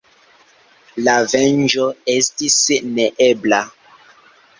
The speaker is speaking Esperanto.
La venĝo estis neebla.